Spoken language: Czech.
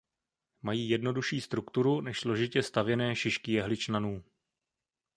Mají jednodušší strukturu než složitě stavěné šišky jehličnanů.